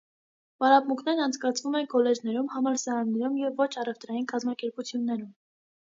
Պարապունքներն անցկացվում են քոլեջներում, համալսարաններում և ոչ առևտրային կազմակերպություններում։